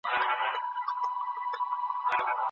ما به خپل یادښتونه شریکول.